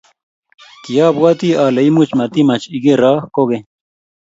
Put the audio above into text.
Kiabwoti ole imuch matimach igero kokeny.